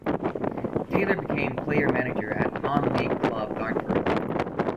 Taylor became player manager at non-league club Dartford.